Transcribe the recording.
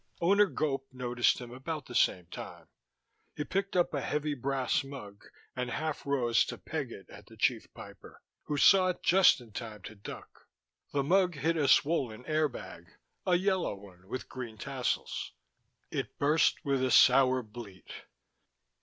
Owner Gope noticed him about the same time. He picked up a heavy brass mug and half rose to peg it at the Chief Piper, who saw it just in time to duck. The mug hit a swollen air bag; a yellow one with green tassels; it burst with a sour bleat.